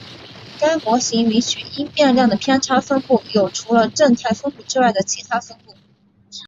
该模型允许因变量的偏差分布有除了正态分布之外的其它分布。